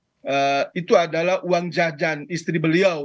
tapi bukan berarti seolah olah itu adalah uang jajan istri beliau